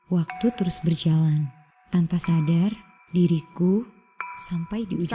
waktu terus berjalan tanpa sadar diriku sampai di ujung